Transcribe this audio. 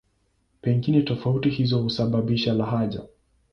Pengine tofauti hizo husababisha lahaja.